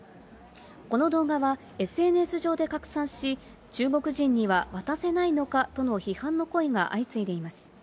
この動画はＳＮＳ上で拡散し、中国人には渡せないのかとの批判の声が相次いでいます。